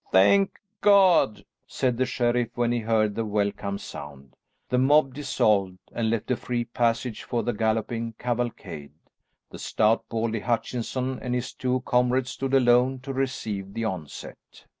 "Thank God!" said the sheriff when he heard the welcome sound. The mob dissolved and left a free passage for the galloping cavalcade. The stout Baldy Hutchinson and his two comrades stood alone to receive the onset.